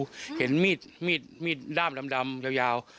ผมก็หันไปดูเห็นมีดด้ามดำยาว